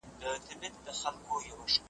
ګړی وروسته په کلا کي خوشالي سوه .